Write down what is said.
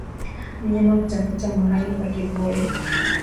Mnyama kutafuta mahali pa kivuli